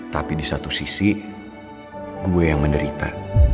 tapi di satu sisi gue yang menderita